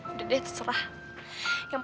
yang paling penting kamu bisa berhubungan dengan aku